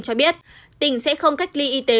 cho biết tỉnh sẽ không cách ly y tế